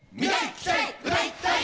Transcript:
聴きたい！